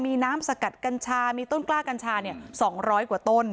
มีน้ำสกัดกัญชามีต้นกล้ากัญชา๒๐๐กว่าต้น